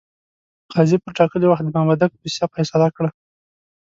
قاضي پر ټاکلي وخت د مامدک دوسیه فیصله کړه.